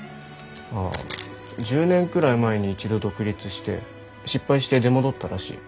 ああ１０年くらい前に一度独立して失敗して出戻ったらしい。